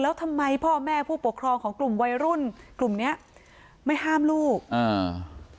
แล้วทำไมพ่อแม่ผู้ปกครองของกลุ่มวัยรุ่นกลุ่มเนี้ยไม่ห้ามลูกอ่า